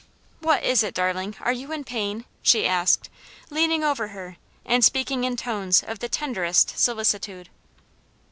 "What is it, darling are you in pain?" she asked, leaning over her, and speaking in tones of the tenderest solicitude.